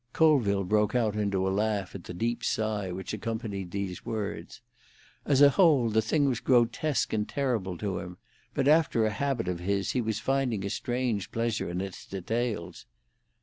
Colville broke out into a laugh at the deep sigh which accompanied these words. As a whole, the thing was grotesque and terrible to him, but after a habit of his, he was finding a strange pleasure in its details.